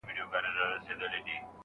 د لومړي ځل لپاره خپل شعر ولووست.